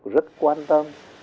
rất quan tâm